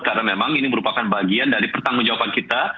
karena memang ini merupakan bagian dari pertanggung jawaban kita